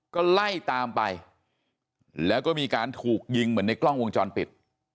ก็ไล่ตามไปแล้วก็มีการถูกยิงเหมือนในกล้องวงจรปิด